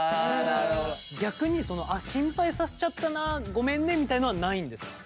逆に心配させちゃったなごめんねみたいのはないんですか？